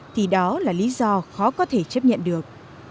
thì đó là lý do khó có thể chấp nhận được